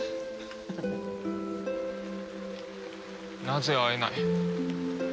なぜ会えない？